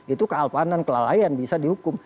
itu kealpanan kelalaian bisa dihukum